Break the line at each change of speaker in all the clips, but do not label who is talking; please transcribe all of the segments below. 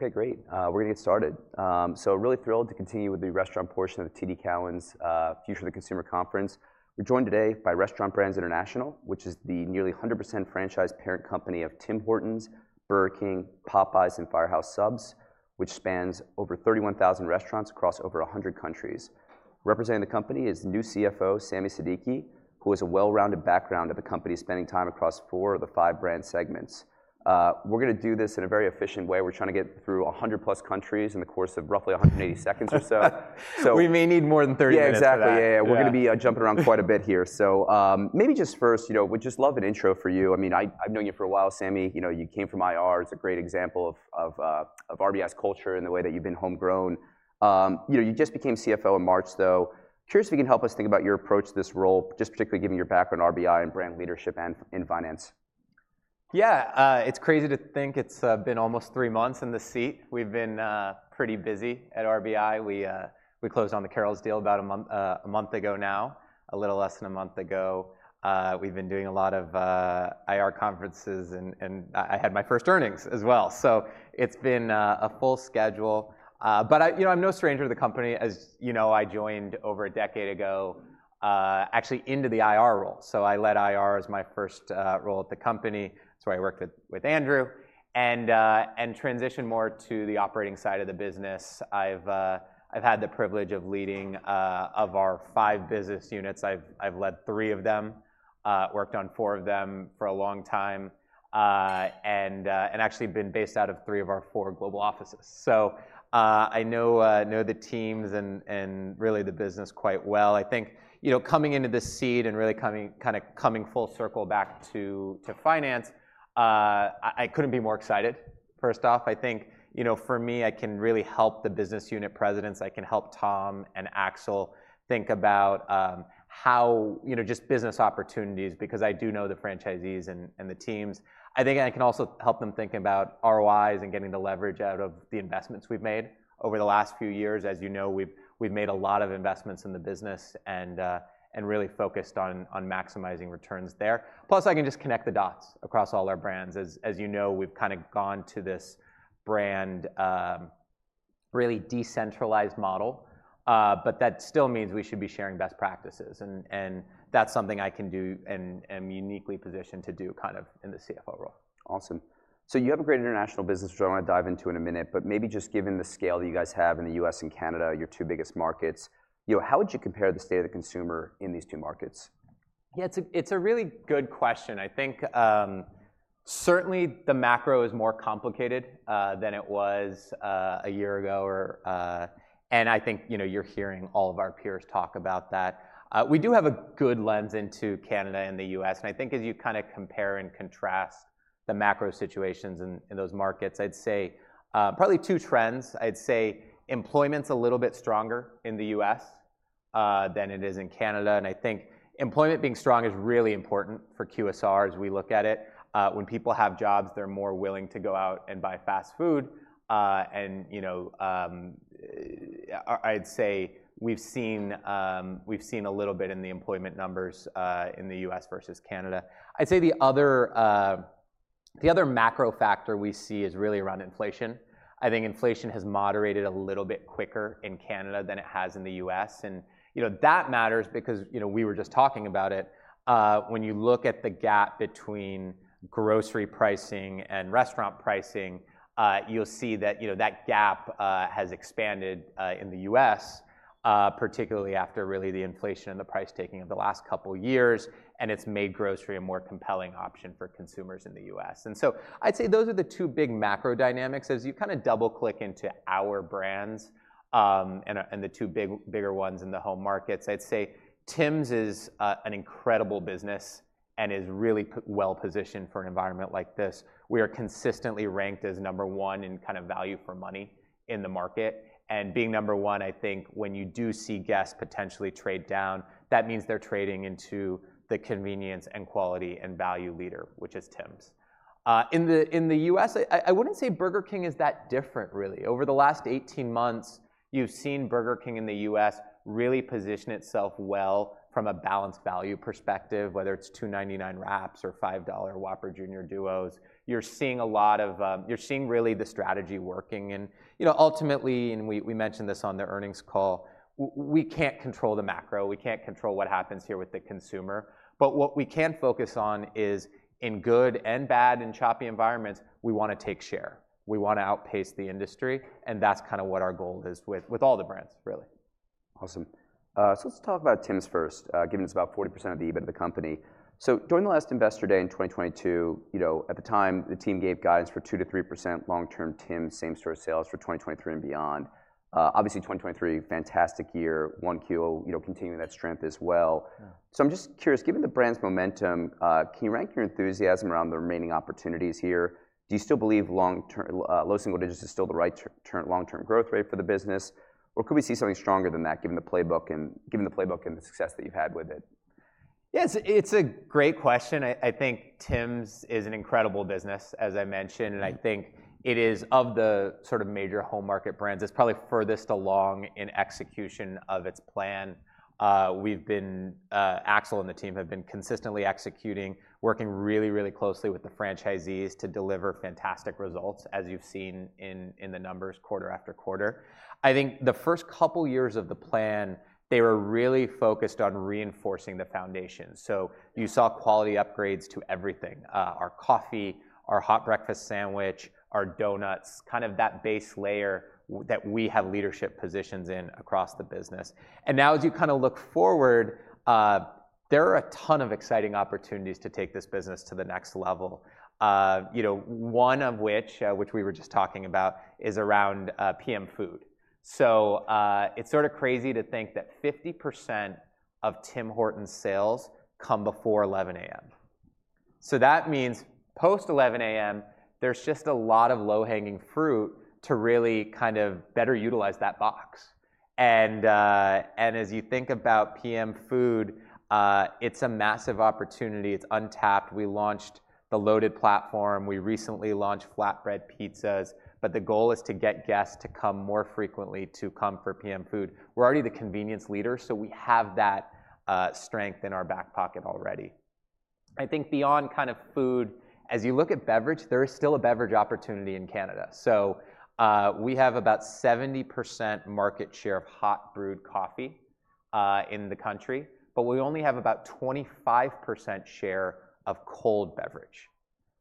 Okay, great. We're gonna get started. So really thrilled to continue with the restaurant portion of the TD Cowen’s Future of the Consumer Conference. We're joined today by Restaurant Brands International, which is the nearly 100% franchise parent company of Tim Hortons, Burger King, Popeyes, and Firehouse Subs, which spans over 31,000 restaurants across over 100 countries. Representing the company is new CFO, Sami Siddiqui, who has a well-rounded background of the company, spending time across four of the five brand segments. We're gonna do this in a very efficient way. We're trying to get through 100+ countries in the course of roughly 180 seconds or so.
We may need more than 30 minutes for that.
Yeah, exactly. Yeah.
Yeah.
We're gonna be jumping around quite a bit here. So, maybe just first, you know, would just love an intro for you. I mean, I've known you for a while, Sami. You know, you came from IR, it's a great example of RBI's culture and the way that you've been homegrown. You know, you just became CFO in March, though. Curious if you can help us think about your approach to this role, just particularly given your background in RBI and brand leadership and in finance.
Yeah, it's crazy to think it's been almost three months in the seat. We've been pretty busy at RBI. We closed on the Carrols deal about a month ago now, a little less than a month ago. We've been doing a lot of IR conferences, and I had my first earnings as well, so it's been a full schedule. But I, you know, I'm no stranger to the company. As you know, I joined over a decade ago, actually into the IR role. So I led IR as my first role at the company. So I worked with Andrew, and transitioned more to the operating side of the business. I've had the privilege of leading of our five business units, I've led three of them, worked on four of them for a long time, and actually been based out of three of our four global offices. So, I know the teams and really the business quite well. I think, you know, coming into this seat and really coming, kinda coming full circle back to finance, I couldn't be more excited. First off, I think, you know, for me, I can really help the business unit presidents. I can help Tom and Axel think about how, you know, just business opportunities because I do know the franchisees and the teams. I think I can also help them think about ROIs and getting the leverage out of the investments we've made over the last few years. As you know, we've made a lot of investments in the business and really focused on maximizing returns there. Plus, I can just connect the dots across all our brands. As you know, we've kind of gone to this brand really decentralized model, but that still means we should be sharing best practices, and that's something I can do and am uniquely positioned to do, kind of in the CFO role.
Awesome. So you have a great international business, which I wanna dive into in a minute, but maybe just given the scale that you guys have in the U.S. and Canada, your two biggest markets, you know, how would you compare the state of the consumer in these two markets?
Yeah, it's a really good question. I think certainly the macro is more complicated than it was a year ago. And I think, you know, you're hearing all of our peers talk about that. We do have a good lens into Canada and the U.S., and I think as you kinda compare and contrast the macro situations in those markets, I'd say probably two trends. I'd say employment's a little bit stronger in the U.S. than it is in Canada, and I think employment being strong is really important for QSR as we look at it. When people have jobs, they're more willing to go out and buy fast food. And, you know, I'd say we've seen a little bit in the employment numbers in the U.S. versus Canada. I'd say the other macro factor we see is really around inflation. I think inflation has moderated a little bit quicker in Canada than it has in the U.S., and, you know, that matters because, you know, we were just talking about it. When you look at the gap between grocery pricing and restaurant pricing, you'll see that, you know, that gap has expanded in the U.S., particularly after really the inflation and the price taking of the last couple of years, and it's made grocery a more compelling option for consumers in the U.S. And so I'd say those are the two big macro dynamics. As you kinda double-click into our brands, and the two bigger ones in the home markets, I'd say Tims is an incredible business and is really well positioned for an environment like this. We are consistently ranked as number one in kind of value for money in the market, and being number one, I think when you do see guests potentially trade down, that means they're trading into the convenience and quality and value leader, which is Tims. In the U.S., I wouldn't say Burger King is that different really. Over the last 18 months, you've seen Burger King in the U.S. really position itself well from a balanced value perspective, whether it's $2.99 wraps or $5 Whopper Jr. Duos. You're seeing a lot of... You're seeing really the strategy working and, you know, ultimately, and we mentioned this on the earnings call. We can't control the macro. We can't control what happens here with the consumer, but what we can focus on is in good and bad and choppy environments, we wanna take share. We wanna outpace the industry, and that's kind of what our goal is with all the brands, really.
Awesome. So let's talk about Tims first, given it's about 40% of the EBIT of the company. So during the last Investor Day in 2022, you know, at the time, the team gave guides for 2%-3% long-term Tims same-store sales for 2023 and beyond. Obviously, 2023, fantastic year, 1Q will, you know, continuing that strength as well.
Yeah.
I'm just curious, given the brand's momentum, can you rank your enthusiasm around the remaining opportunities here? Do you still believe long-term low single digits is still the right term, long-term growth rate for the business, or could we see something stronger than that, given the playbook and, given the playbook and the success that you've had with it?...
Yes, it's a great question. I think Tim's is an incredible business, as I mentioned, and I think it is, of the sort of major home market brands, it's probably furthest along in execution of its plan. We've been, Axel and the team have been consistently executing, working really, really closely with the franchisees to deliver fantastic results, as you've seen in the numbers quarter after quarter. I think the first couple years of the plan, they were really focused on reinforcing the foundation. So you saw quality upgrades to everything, our coffee, our hot breakfast sandwich, our donuts, kind of that base layer that we have leadership positions in across the business. And now, as you kind of look forward, there are a ton of exciting opportunities to take this business to the next level. You know, one of which, which we were just talking about, is around PM food. So, it's sort of crazy to think that 50% of Tim Hortons sales come before 11 A.M. So that means post-11 A.M., there's just a lot of low-hanging fruit to really kind of better utilize that box. And as you think about PM food, it's a massive opportunity. It's untapped. We launched the Loaded platform. We recently launched Flatbread Pizzas, but the goal is to get guests to come more frequently to come for PM food. We're already the convenience leader, so we have that strength in our back pocket already. I think beyond kind of food, as you look at beverage, there is still a beverage opportunity in Canada. So, we have about 70% market share of hot-brewed coffee in the country, but we only have about 25% share of cold beverage.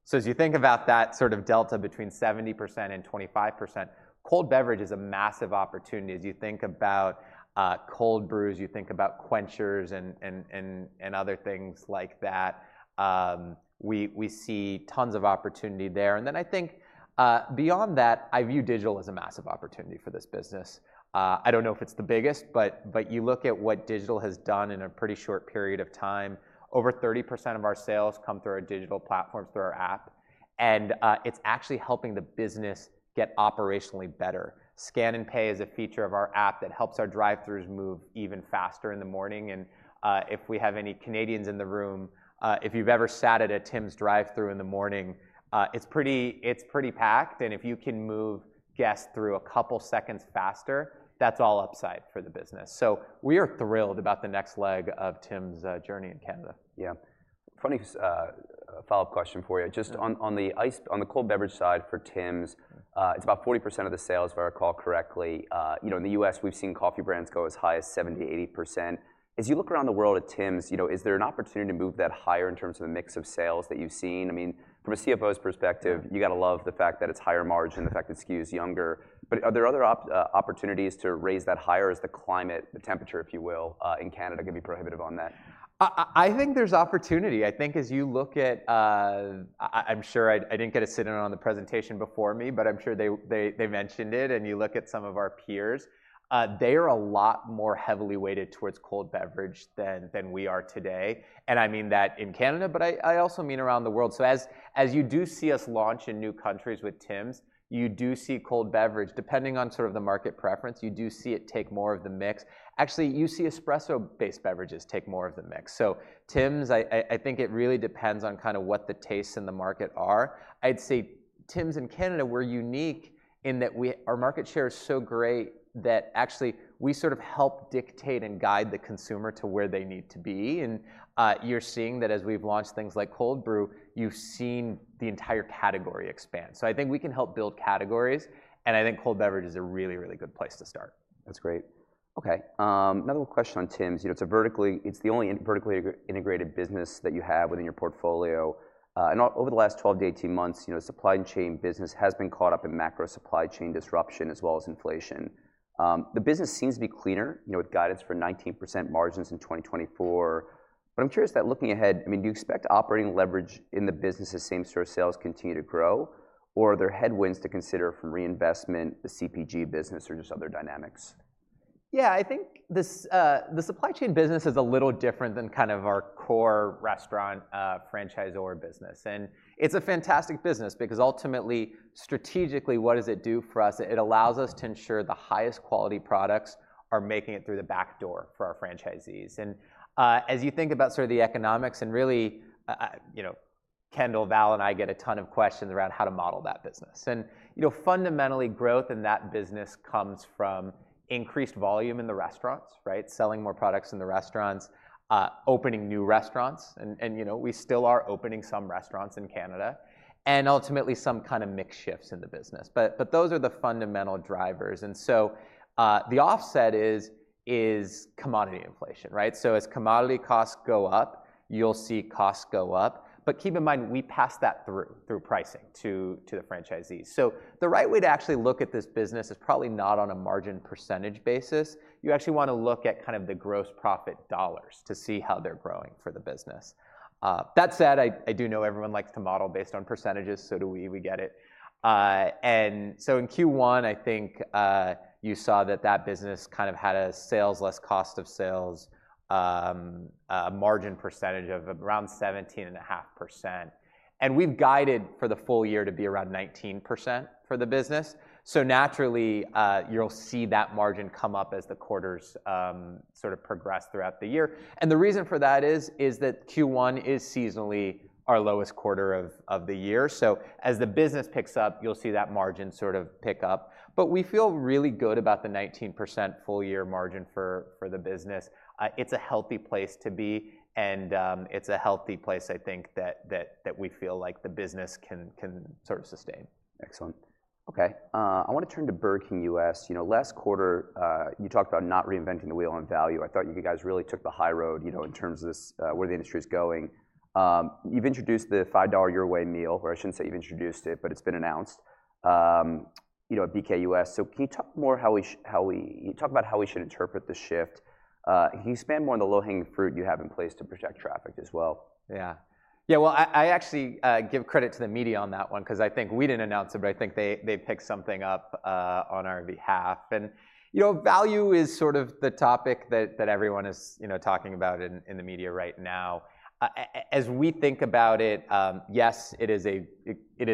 So as you think about that sort of delta between 70% and 25%, cold beverage is a massive opportunity. As you think about cold brews, you think about Quenchers and other things like that, we see tons of opportunity there. And then I think beyond that, I view digital as a massive opportunity for this business. I don't know if it's the biggest, but you look at what digital has done in a pretty short period of time. Over 30% of our sales come through our digital platforms, through our app, and it's actually helping the business get operationally better. Scan & Pay is a feature of our app that helps our drive-throughs move even faster in the morning. And, if we have any Canadians in the room, if you've ever sat at a Tim's drive-through in the morning, it's pretty, it's pretty packed, and if you can move guests through a couple seconds faster, that's all upside for the business. So we are thrilled about the next leg of Tim's journey in Canada.
Yeah. Funny, follow-up question for you.
Yeah.
Just on the cold beverage side for Tim's, it's about 40% of the sales, if I recall correctly. You know, in the US, we've seen coffee brands go as high as 70%-80%. As you look around the world at Tim's, you know, is there an opportunity to move that higher in terms of the mix of sales that you've seen? I mean, from a CFO's perspective, you gotta love the fact that it's higher margin, the fact that SKU is younger. But are there other opportunities to raise that higher, as the climate, the temperature, if you will, in Canada, could be prohibitive on that?
I think there's opportunity. I think as you look at, I'm sure I didn't get a sit in on the presentation before me, but I'm sure they mentioned it, and you look at some of our peers. They are a lot more heavily weighted towards cold beverage than we are today, and I mean that in Canada, but I also mean around the world. So as you do see us launch in new countries with Tim's, you do see cold beverage. Depending on sort of the market preference, you do see it take more of the mix. Actually, you see espresso-based beverages take more of the mix. So Tim's, I think it really depends on kind of what the tastes in the market are. I'd say Tim's in Canada, we're unique in that our market share is so great that actually we sort of help dictate and guide the consumer to where they need to be. And, you're seeing that as we've launched things like cold brew, you've seen the entire category expand. So I think we can help build categories, and I think cold beverage is a really, really good place to start.
That's great. Okay, another question on Tim's. You know, it's a vertically- it's the only vertically integrated business that you have within your portfolio. And over the last 12-18 months, you know, supply chain business has been caught up in macro supply chain disruption, as well as inflation. The business seems to be cleaner, you know, with guidance for 19% margins in 2024. But I'm curious that looking ahead, I mean, do you expect operating leverage in the business as same-store sales continue to grow, or are there headwinds to consider from reinvestment, the CPG business, or just other dynamics?
Yeah, I think this, the supply chain business is a little different than kind of our core restaurant, franchisor business. And it's a fantastic business because ultimately, strategically, what does it do for us? It allows us to ensure the highest quality products are making it through the back door for our franchisees. And, as you think about sort of the economics, and really, you know, Kendall, Val, and I get a ton of questions around how to model that business. And, you know, fundamentally, growth in that business comes from increased volume in the restaurants, right? Selling more products in the restaurants, opening new restaurants, and, you know, we still are opening some restaurants in Canada, and ultimately, some kind of mix shifts in the business. But those are the fundamental drivers, and so, the offset is commodity inflation, right? So as commodity costs go up, you'll see costs go up, but keep in mind, we pass that through, through pricing to, to the franchisees. So the right way to actually look at this business is probably not on a margin percentage basis. You actually want to look at kind of the gross profit dollars to see how they're growing for the business. That said, I do know everyone likes to model based on percentages, so do we. We get it... and so in Q1, I think, you saw that that business kind of had a sales less cost of sales, a margin percentage of around 17.5%. And we've guided for the full year to be around 19% for the business. So naturally, you'll see that margin come up as the quarters, sort of progress throughout the year. The reason for that is that Q1 is seasonally our lowest quarter of the year. So as the business picks up, you'll see that margin sort of pick up. But we feel really good about the 19% full year margin for the business. It's a healthy place to be, and it's a healthy place, I think, that we feel like the business can sort of sustain.
Excellent. Okay. I want to turn to Burger King U.S. You know, last quarter, you talked about not reinventing the wheel on value. I thought you guys really took the high road, you know, in terms of this, where the industry is going. You've introduced the $5 Your Way Meal, or I shouldn't say you've introduced it, but it's been announced, you know, at BKUS. So can you talk more about how we should interpret the shift? Can you expand more on the low-hanging fruit you have in place to protect traffic as well?
Yeah. Yeah, well, I actually give credit to the media on that one 'cause I think we didn't announce it, but I think they picked something up on our behalf. And, you know, value is sort of the topic that everyone is, you know, talking about in the media right now. As we think about it, yes, it is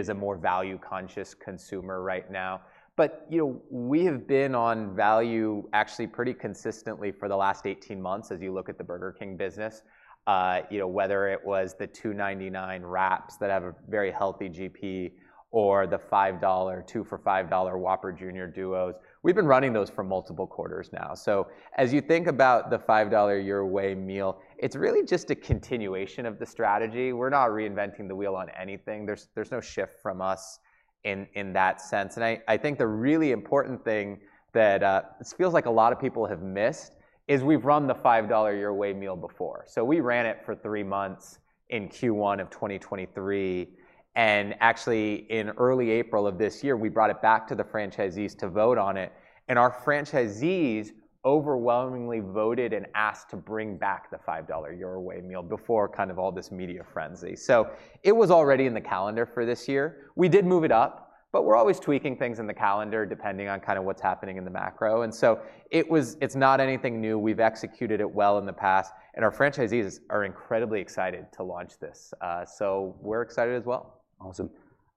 a more value-conscious consumer right now, but, you know, we have been on value actually pretty consistently for the last 18 months as you look at the Burger King business. You know, whether it was the $2.99 wraps that have a very healthy GP or the $5, two for $5 Whopper Jr. Duos, we've been running those for multiple quarters now. So as you think about the $5 Your Way Meal, it's really just a continuation of the strategy. We're not reinventing the wheel on anything. There's no shift from us in that sense. And I think the really important thing that this feels like a lot of people have missed is we've run the $5 Your Way Meal before. So we ran it for three months in Q1 of 2023, and actually, in early April of this year, we brought it back to the franchisees to vote on it, and our franchisees overwhelmingly voted and asked to bring back the $5 Your Way Meal before kind of all this media frenzy. So it was already in the calendar for this year. We did move it up, but we're always tweaking things in the calendar, depending on kind of what's happening in the macro. And so it's not anything new. We've executed it well in the past, and our franchisees are incredibly excited to launch this. So we're excited as well.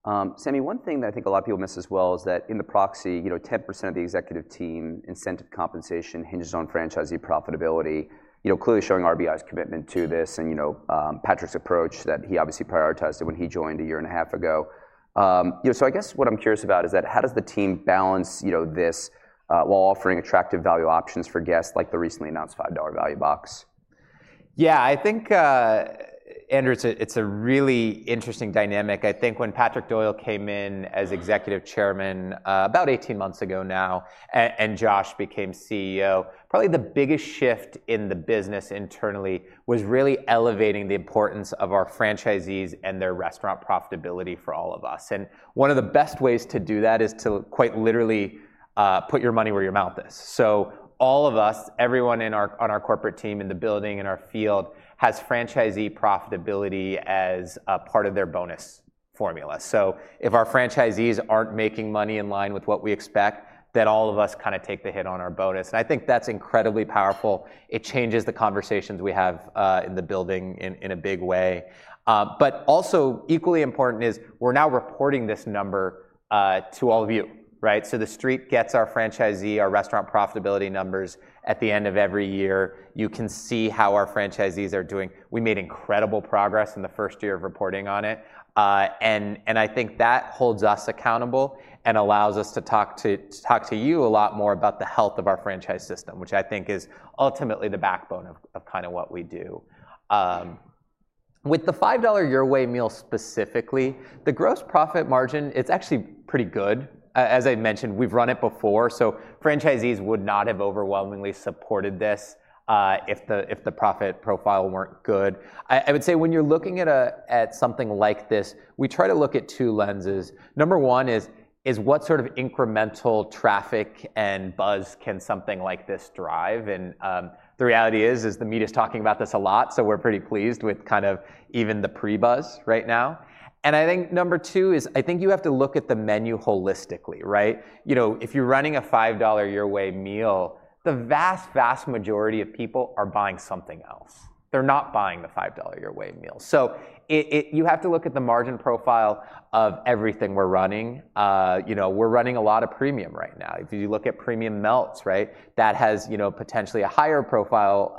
Awesome. Sami, one thing that I think a lot of people miss as well is that in the proxy, you know, 10% of the executive team incentive compensation hinges on franchisee profitability, you know, clearly showing RBI's commitment to this and, you know, Patrick's approach that he obviously prioritized it when he joined a year and a half ago. You know, so I guess what I'm curious about is that how does the team balance, you know, this, while offering attractive value options for guests, like the recently announced $5 value box?
Yeah, I think, Andrew, it's a really interesting dynamic. I think when Patrick Doyle came in as Executive Chairman, about 18 months ago now, and Josh became CEO, probably the biggest shift in the business internally was really elevating the importance of our franchisees and their restaurant profitability for all of us. And one of the best ways to do that is to quite literally put your money where your mouth is. So all of us, everyone on our corporate team, in the building, in our field, has franchisee profitability as a part of their bonus formula. So if our franchisees aren't making money in line with what we expect, then all of us kind of take the hit on our bonus, and I think that's incredibly powerful. It changes the conversations we have in the building in a big way. But also equally important is we're now reporting this number to all of you, right? So the street gets our franchisee, our restaurant profitability numbers at the end of every year. You can see how our franchisees are doing. We made incredible progress in the first year of reporting on it. I think that holds us accountable and allows us to talk to- talk to you a lot more about the health of our franchise system, which I think is ultimately the backbone of kind of what we do. With the $5 Your Way Meal, specifically, the gross profit margin, it's actually pretty good. As I mentioned, we've run it before, so franchisees would not have overwhelmingly supported this if the profit profile weren't good. I would say when you're looking at something like this, we try to look at two lenses. Number one is what sort of incremental traffic and buzz can something like this drive? And the reality is the media is talking about this a lot, so we're pretty pleased with kind of even the pre-buzz right now. And I think number two is, I think you have to look at the menu holistically, right? You know, if you're running a $5 Your Way Meal, the vast, vast majority of people are buying something else. They're not buying the $5 Your Way Meal. So you have to look at the margin profile of everything we're running. You know, we're running a lot of premium right now. If you look at premium Melts, right? That has, you know, potentially a higher profile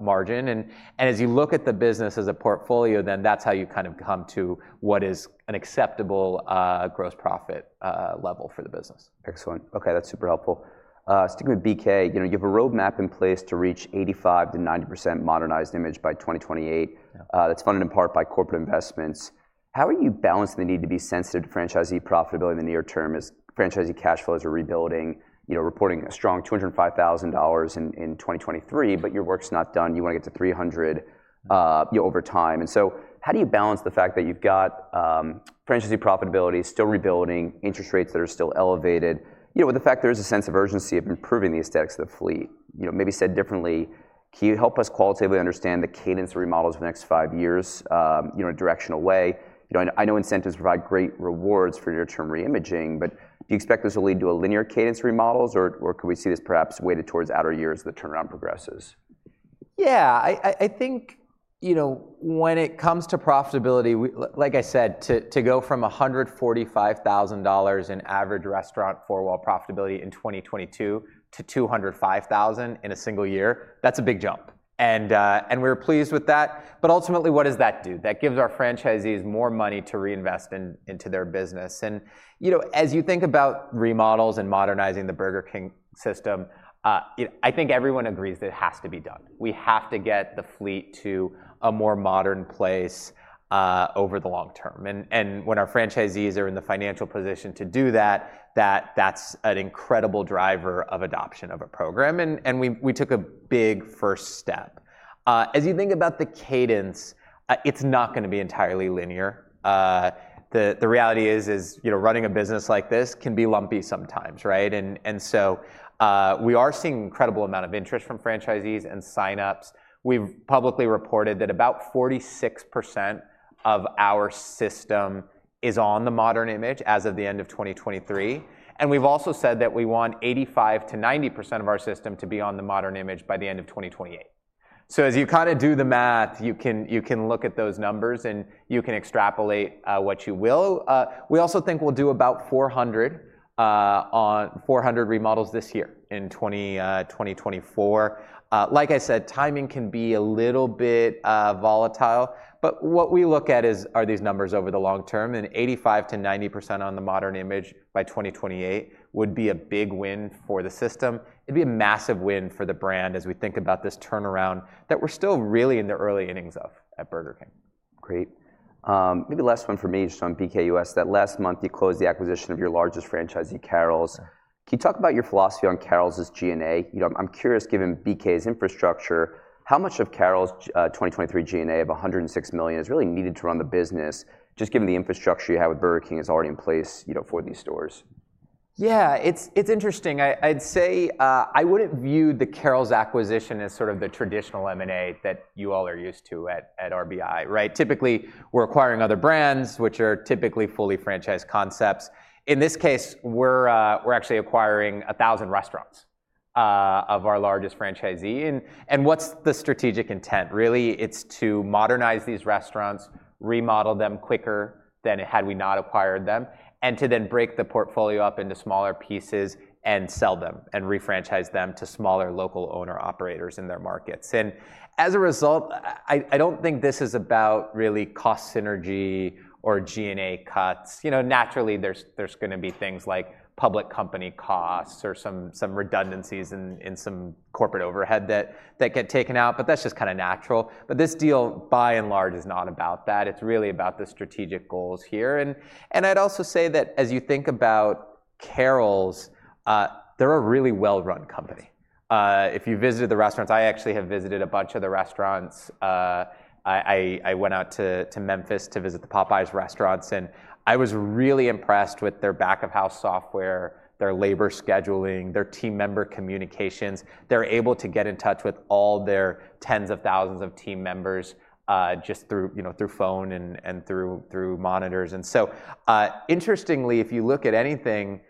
margin, and as you look at the business as a portfolio, then that's how you kind of come to what is an acceptable gross profit level for the business.
Excellent. Okay, that's super helpful. Sticking with BK, you know, you have a roadmap in place to reach 85%-90% modernized image by 2028.
Yeah.
That's funded in part by corporate investments. How are you balancing the need to be sensitive to franchisee profitability in the near term as franchisee cash flows are rebuilding, you know, reporting a strong $205,000 in 2023, but your work's not done, you wanna get to $300,000, you know, over time. And so how do you balance the fact that you've got, franchisee profitability, still rebuilding, interest rates that are still elevated, you know, with the fact there's a sense of urgency of improving the aesthetics of the fleet? You know, maybe said differently. Can you help us qualitatively understand the cadence remodels of the next five years, you know, in a directional way? You know, I, I know incentives provide great rewards for near-term re-imaging, but do you expect this will lead to a linear cadence remodels, or, or could we see this perhaps weighted towards outer years as the turnaround progresses?
Yeah, I think, you know, when it comes to profitability, like I said, to go from $145,000 in average restaurant four-wall profitability in 2022 to $205,000 in a single year, that's a big jump. And we're pleased with that. But ultimately, what does that do? That gives our franchisees more money to reinvest into their business. And, you know, as you think about remodels and modernizing the Burger King system, I think everyone agrees that it has to be done. We have to get the fleet to a more modern place over the long term. And when our franchisees are in the financial position to do that, that's an incredible driver of adoption of a program, and we took a big first step. As you think about the cadence, it's not gonna be entirely linear. The reality is, you know, running a business like this can be lumpy sometimes, right? And so, we are seeing an incredible amount of interest from franchisees and sign-ups. We've publicly reported that about 46% of our system is on the modern image as of the end of 2023. And we've also said that we want 85%-90% of our system to be on the modern image by the end of 2028. So as you kind of do the math, you can look at those numbers, and you can extrapolate what you will. We also think we'll do about 400 remodels this year, in 2024. Like I said, timing can be a little bit, volatile, but what we look at is, are these numbers over the long term, and 85%-90% on the modern image by 2028 would be a big win for the system. It'd be a massive win for the brand as we think about this turnaround, that we're still really in the early innings of at Burger King.
Great. Maybe last one from me, just on BKUS, that last month, you closed the acquisition of your largest franchisee, Carrols. Can you talk about your philosophy on Carrols' G&A? You know, I'm curious, given BK's infrastructure, how much of Carrols', 2023 G&A of $106 million is really needed to run the business, just given the infrastructure you have with Burger King is already in place, you know, for these stores?
Yeah, it's interesting. I'd say I wouldn't view the Carrols acquisition as sort of the traditional M&A that you all are used to at RBI, right? Typically, we're acquiring other brands, which are typically fully franchised concepts. In this case, we're actually acquiring 1,000 restaurants of our largest franchisee. And what's the strategic intent? Really, it's to modernize these restaurants, remodel them quicker than had we not acquired them, and to then break the portfolio up into smaller pieces and sell them and re-franchise them to smaller local owner-operators in their markets. And as a result, I don't think this is about really cost synergy or G&A cuts. You know, naturally, there's gonna be things like public company costs or some redundancies in some corporate overhead that get taken out, but that's just kind of natural. But this deal, by and large, is not about that. It's really about the strategic goals here. And I'd also say that as you think about Carrols, they're a really well-run company. If you visited the restaurants, I actually have visited a bunch of the restaurants. I went out to Memphis to visit the Popeyes restaurants, and I was really impressed with their back-of-house software, their labor scheduling, their team member communications. They're able to get in touch with all their tens of thousands of team members just through, you know, through phone and through monitors. Interestingly, if you look at anything,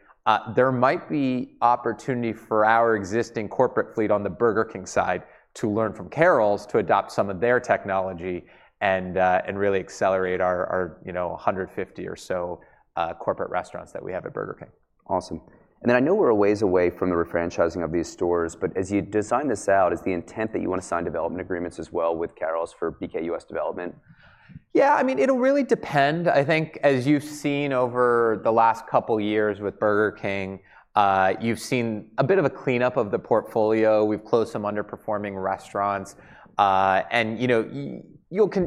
there might be opportunity for our existing corporate fleet on the Burger King side to learn from Carrols to adopt some of their technology and really accelerate our, you know, 150 or so corporate restaurants that we have at Burger King.
Awesome. And then I know we're a ways away from the re-franchising of these stores, but as you design this out, is the intent that you want to sign development agreements as well with Carrols for BKUS development?
Yeah, I mean, it'll really depend. I think, as you've seen over the last couple of years with Burger King, you've seen a bit of a cleanup of the portfolio. We've closed some underperforming restaurants. And, you know,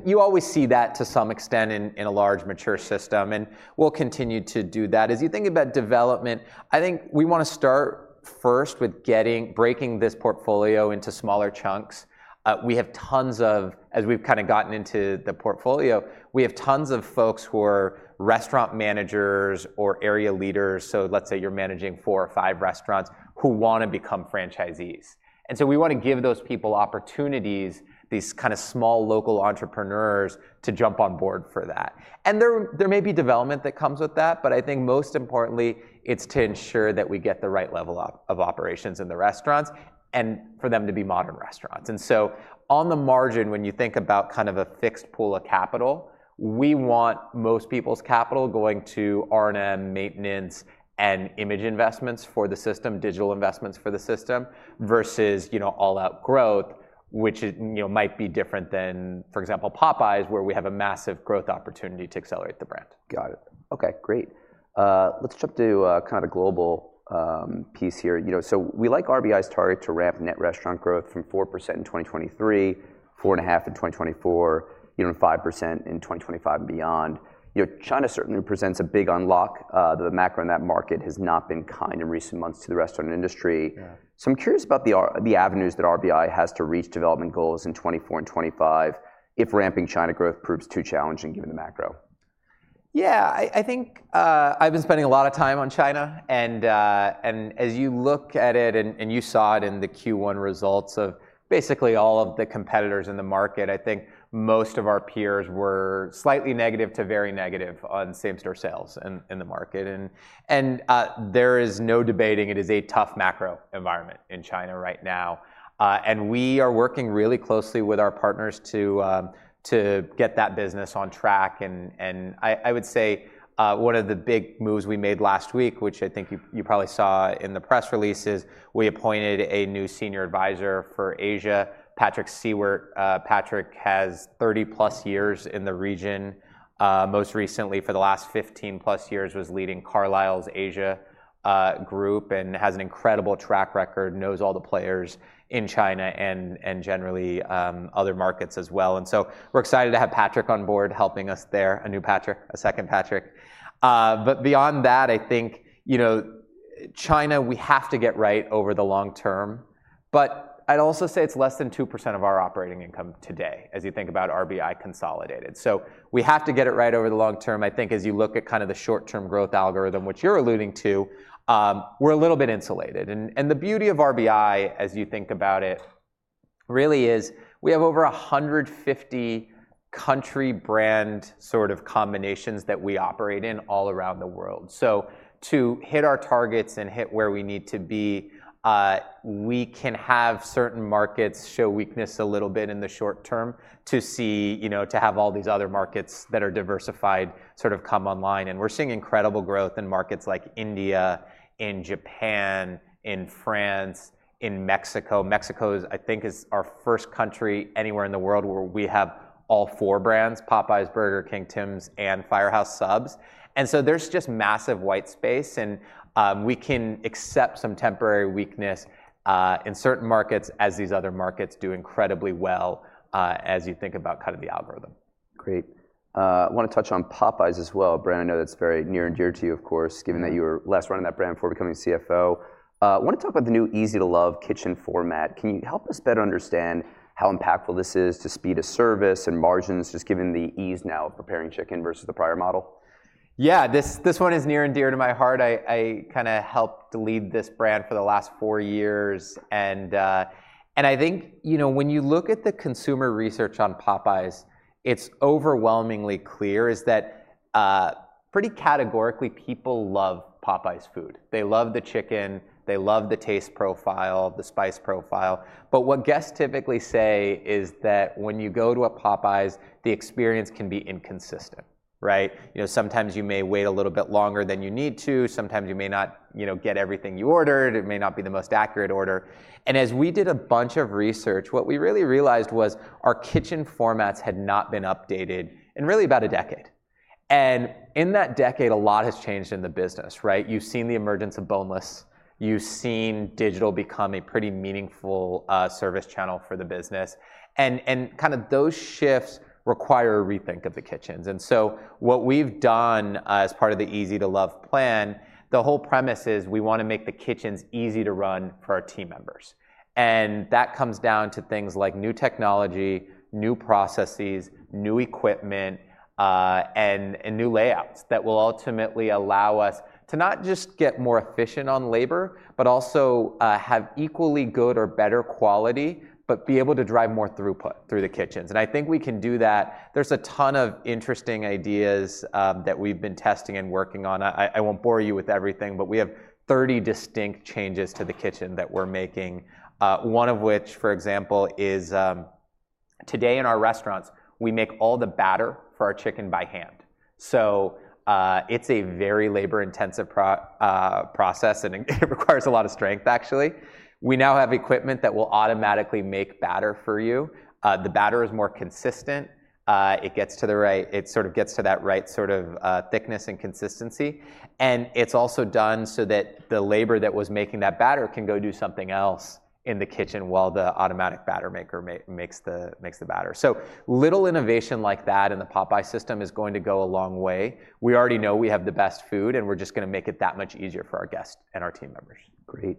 you always see that to some extent in a large, mature system, and we'll continue to do that. As you think about development, I think we want to start first with getting, breaking this portfolio into smaller chunks. We have tons of folks who are restaurant managers or area leaders, so let's say you're managing four or five restaurants, who want to become franchisees. And so we want to give those people opportunities, these kind of small local entrepreneurs, to jump on board for that. There may be development that comes with that, but I think most importantly, it's to ensure that we get the right level of operations in the restaurants and for them to be modern restaurants. So on the margin, when you think about kind of a fixed pool of capital, we want most people's capital going to R&M, maintenance, and image investments for the system, digital investments for the system, versus, you know, all-out growth, which is, you know, might be different than, for example, Popeyes, where we have a massive growth opportunity to accelerate the brand.
Got it. Okay, great. Let's jump to kind of a global piece here. You know, so we like RBI's target to ramp net restaurant growth from 4% in 2023, 4.5% in 2024, you know, 5% in 2025 and beyond. You know, China certainly presents a big unlock. The macro in that market has not been kind in recent months to the restaurant industry.
Yeah.
I'm curious about the avenues that RBI has to reach development goals in 2024 and 2025 if ramping China growth proves too challenging given the macro?...
Yeah, I think I've been spending a lot of time on China, and as you look at it, and you saw it in the Q1 results of basically all of the competitors in the market. I think most of our peers were slightly negative to very negative on same-store sales in the market. And there is no debating it is a tough macro environment in China right now. And we are working really closely with our partners to get that business on track. And I would say one of the big moves we made last week, which I think you probably saw in the press releases, we appointed a new senior advisor for Asia, Patrick Siewert. Patrick has 30+ years in the region. Most recently, for the last 15-plus years, was leading Carlyle's Asia Group, and has an incredible track record, knows all the players in China and generally other markets as well. And so we're excited to have Patrick on board helping us there, a new Patrick, a second Patrick. But beyond that, I think, you know, China, we have to get right over the long term, but I'd also say it's less than 2% of our operating income today, as you think about RBI consolidated. So we have to get it right over the long term. I think as you look at kind of the short-term growth algorithm, which you're alluding to, we're a little bit insulated. The beauty of RBI, as you think about it, really is we have over 150 country brand sort of combinations that we operate in all around the world. So to hit our targets and hit where we need to be, we can have certain markets show weakness a little bit in the short term to see... You know, to have all these other markets that are diversified, sort of come online. And we're seeing incredible growth in markets like India, in Japan, in France, in Mexico. Mexico is, I think, our first country anywhere in the world where we have all four brands, Popeyes, Burger King, Tims, and Firehouse Subs. And so there's just massive white space, and, we can accept some temporary weakness, in certain markets as these other markets do incredibly well, as you think about kind of the algorithm.
Great. I want to touch on Popeyes as well, a brand I know that's very near and dear to you, of course, given that you were last running that brand before becoming CFO. I want to talk about the new Easy to Love kitchen format. Can you help us better understand how impactful this is to speed of service and margins, just given the ease now of preparing chicken versus the prior model?
Yeah, this one is near and dear to my heart. I kind of helped to lead this brand for the last four years. And I think, you know, when you look at the consumer research on Popeyes, it's overwhelmingly clear is that pretty categorically, people love Popeyes food. They love the chicken, they love the taste profile, the spice profile. But what guests typically say is that when you go to a Popeyes, the experience can be inconsistent, right? You know, sometimes you may wait a little bit longer than you need to. Sometimes you may not, you know, get everything you ordered. It may not be the most accurate order. And as we did a bunch of research, what we really realized was our kitchen formats had not been updated in really about a decade. And in that decade, a lot has changed in the business, right? You've seen the emergence of boneless. You've seen digital become a pretty meaningful service channel for the business. And kind of those shifts require a rethink of the kitchens. And so what we've done, as part of the Easy to Love plan, the whole premise is we want to make the kitchens easy to run for our team members, and that comes down to things like new technology, new processes, new equipment, and new layouts that will ultimately allow us to not just get more efficient on labor, but also have equally good or better quality, but be able to drive more throughput through the kitchens. And I think we can do that. There's a ton of interesting ideas that we've been testing and working on. I won't bore you with everything, but we have 30 distinct changes to the kitchen that we're making. One of which, for example, is today in our restaurants, we make all the batter for our chicken by hand. So, it's a very labor-intensive process, and it requires a lot of strength, actually. We now have equipment that will automatically make batter for you. The batter is more consistent. It sort of gets to that right sort of thickness and consistency. And it's also done so that the labor that was making that batter can go do something else in the kitchen while the automatic batter maker makes the batter. So little innovation like that in the Popeyes system is going to go a long way. We already know we have the best food, and we're just gonna make it that much easier for our guests and our team members.
Great.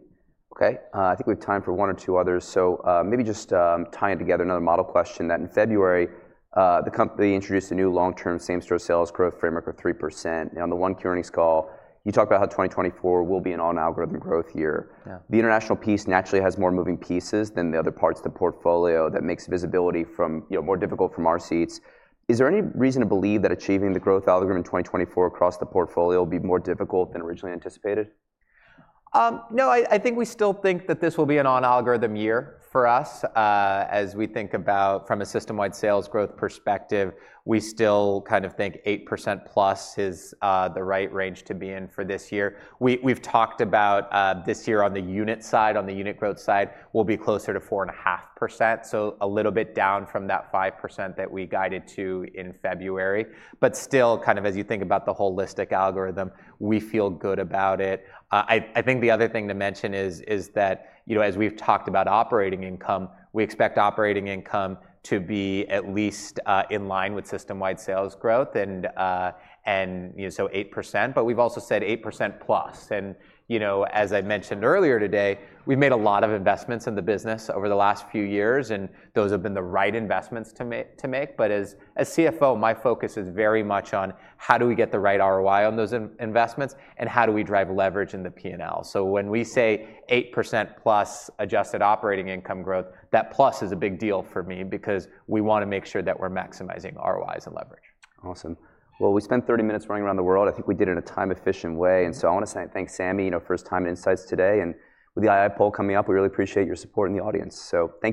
Okay, I think we have time for one or two others. So, maybe just, tying it together, another model question that in February, the company introduced a new long-term same-store sales growth framework of 3%. Now, on the Q earnings call, you talked about how 2024 will be an on-algorithm growth year.
Yeah.
The international piece naturally has more moving pieces than the other parts of the portfolio that makes visibility from, you know, more difficult from our seats. Is there any reason to believe that achieving the growth algorithm in 2024 across the portfolio will be more difficult than originally anticipated?
No, I think we still think that this will be an on-algorithm year for us. As we think about from a system-wide sales growth perspective, we still kind of think 8%+ is the right range to be in for this year. We've talked about this year on the unit side, on the unit growth side, we'll be closer to 4.5%, so a little bit down from that 5% that we guided to in February. But still, kind of as you think about the holistic algorithm, we feel good about it. I think the other thing to mention is that, you know, as we've talked about operating income, we expect operating income to be at least in line with system-wide sales growth, and, you know, so 8%, but we've also said 8%+. You know, as I mentioned earlier today, we've made a lot of investments in the business over the last few years, and those have been the right investments to make. But as CFO, my focus is very much on how do we get the right ROI on those investments, and how do we drive leverage in the P&L? So when we say 8%+ adjusted operating income growth, that plus is a big deal for me because we want to make sure that we're maximizing ROIs and leverage.
Awesome. Well, we spent 30 minutes running around the world. I think we did it in a time-efficient way, and so I want to say thanks, Sami. You know, first time in Insights today, and with the II poll coming up, we really appreciate your support in the audience. So thank you-